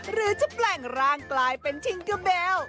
หรือจะแปลงร่างกลายเป็นทิงเกอร์เบล